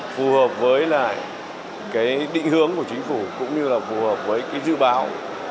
phù hợp với dư báo